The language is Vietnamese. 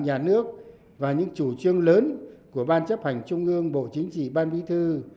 nhà nước và những chủ trương lớn của ban chấp hành trung ương bộ chính trị ban bí thư